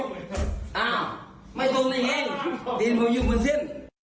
ดินมืออยู่บนเส้น